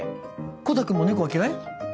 コタくんも猫が嫌い？